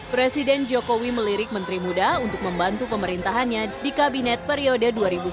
presiden jokowi melirik menteri muda untuk membantu pemerintahannya di kabinet periode dua ribu sembilan belas dua ribu dua